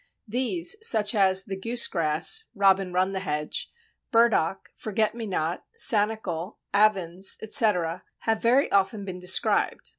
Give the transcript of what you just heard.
These, such as the Goosegrass (Robin run the Hedge), Burdock, Forget me not, Sanicle, Avens, etc., have very often been described.